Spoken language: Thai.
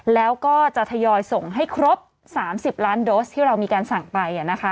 แล้วก็จะทยอยส่งให้ครบ๓๐ล้านโดสที่เรามีการสั่งไป